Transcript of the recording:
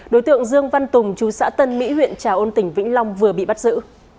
đối tượng dương văn tùng chú xã tân mỹ huyện trà ôn tỉnh vĩnh long vừa bị bắt giữ